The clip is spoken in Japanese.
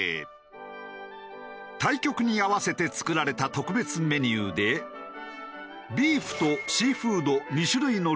対局に合わせて作られた特別メニューでビーフとシーフード２種類のルーに加え